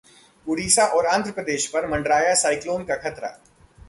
उड़ीसा और आंध्र प्रदेश पर मंडराया साइक्लोन का खतरा